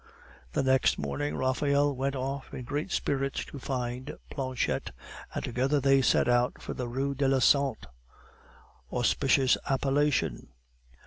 The next morning Raphael went off in great spirits to find Planchette, and together they set out for the Rue de la Sante auspicious appellation!